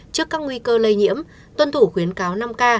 trước các nguy cơ lây nhiễm tuân thủ khuyến cáo năm k